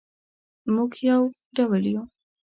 مونږ یو ډول یو